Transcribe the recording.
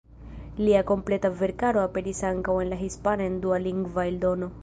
Lia kompleta verkaro aperis ankaŭ en la hispana en dulingva eldono.